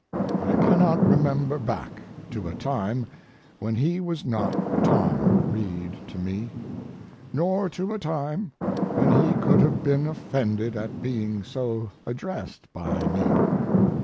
I cannot remember back to a time when he was not "Tom" Reed to me, nor to a time when he could have been offended at being so addressed by me.